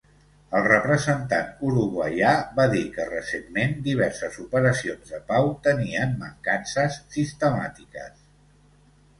El representant uruguaià va dir que recentment diverses operacions de pau tenien mancances sistemàtiques.